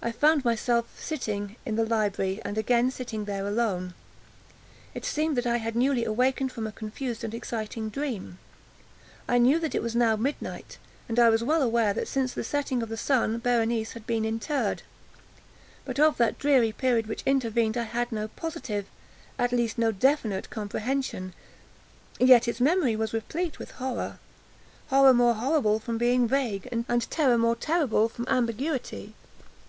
I found myself sitting in the library, and again sitting there alone. It seemed that I had newly awakened from a confused and exciting dream. I knew that it was now midnight, and I was well aware, that since the setting of the sun, Berenice had been interred. But of that dreary period which intervened I had no positive, at least no definite comprehension. Yet its memory was replete with horror—horror more horrible from being vague, and terror more terrible from ambiguity.